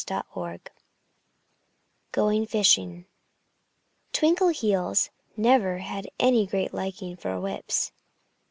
XXIII GOING FISHING Twinkleheels never had any great liking for whips.